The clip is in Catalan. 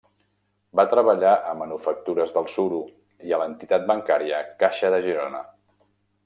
Va treballar a Manufactures del Suro i a l'entitat bancària Caixa de Girona.